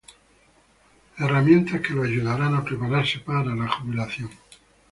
Herramientas que lo ayudarán a prepararse para la jubilación